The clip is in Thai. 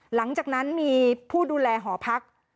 หลังจากนั้นมีผู้ดูแลหอพัก